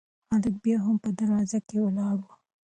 هلک بیا هم په دروازه کې ولاړ و.